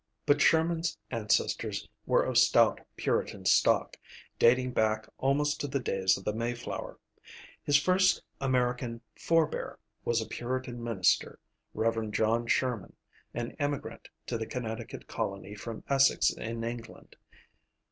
But Sherman's ancestors were of stout Puritan stock, dating back almost to the days of the Mayflower. His first American "forebear" was a Puritan minister, Rev. John Sherman, an emigrant to the Connecticut colony from Essex in England.